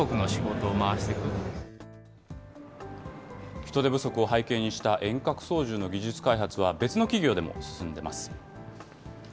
人手不足を背景にした遠隔操縦の技術開発は、別の企業でも進んでいます。